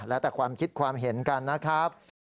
แล้วแต่ความคิดความเห็นกันนะครับ